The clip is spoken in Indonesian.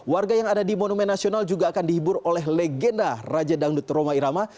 warga yang ada di monumen nasional juga akan dihibur oleh legenda raja dangdut roma irama